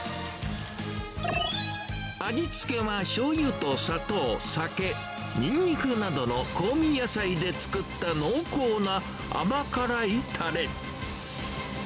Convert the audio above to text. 味付けはしょうゆと砂糖、酒、にんにくなどの香味野菜で作った濃厚な甘辛いたれ。